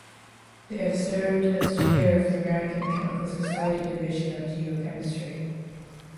They have served as Chair of the American Chemical Society Division of Geochemistry.